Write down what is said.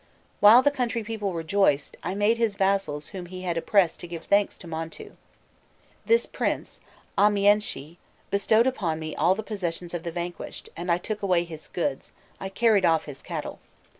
While the country people rejoiced, I made his vassals whom he had oppressed to give thanks to Montu. This prince, Ammiânshi, bestowed upon me all the possessions of the vanquished, and I took away his goods, I carried off his cattle.